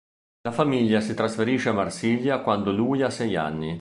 La famiglia si trasferisce a Marsiglia quando lui ha sei anni.